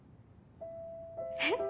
えっ？